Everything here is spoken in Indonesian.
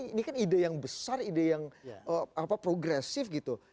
ini kan ide yang besar ide yang progresif gitu